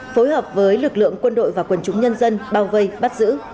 phối hợp với lực lượng quân đội và quần chúng nhân dân bao vây bắt giữ